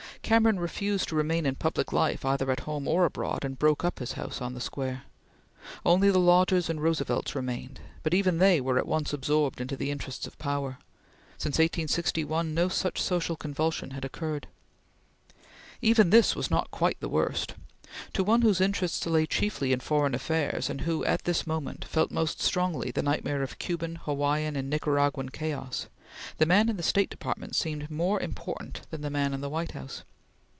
Cameron refused to remain in public life either at home or abroad, and broke up his house on the Square. Only the Lodges and Roosevelts remained, but even they were at once absorbed in the interests of power. Since 1861, no such social convulsion had occurred. Even this was not quite the worst. To one whose interests lay chiefly in foreign affairs, and who, at this moment, felt most strongly the nightmare of Cuban, Hawaiian, and Nicaraguan chaos, the man in the State Department seemed more important than the man in the White House.